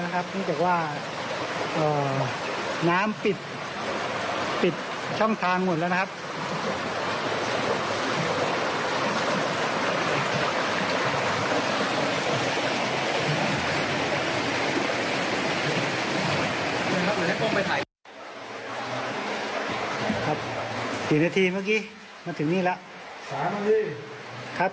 ครับนาถิงนี่ครับ